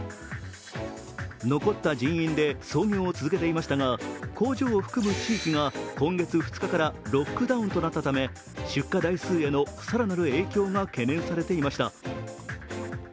残った人員で操業を続けていましたが工場を含む地域が今月２日からロックダウンとなったため出荷台数への更なる影響が懸念されていました。